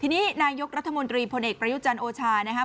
ทีนี้นายกรัฐมนตรีพลเอกประยุจันทร์โอชานะครับ